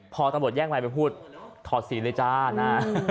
พอตำรวจแย่งหมายไปพูดถอดศีลเลยจ้า